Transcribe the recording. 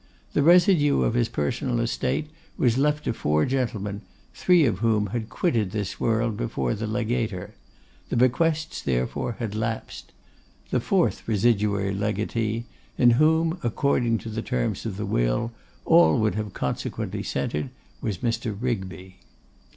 The residue of his personal estate was left to four gentlemen, three of whom had quitted this world before the legator; the bequests, therefore, had lapsed. The fourth residuary legatee, in whom, according to the terms of the will, all would have consequently centred, was Mr. Rigby.